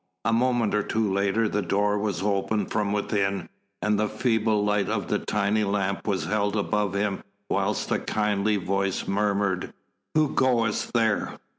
A moment or two later the door was opened from within and the feeble light of a tiny lamp was held above him whilst a kindly voice murmured: "Who goes there?"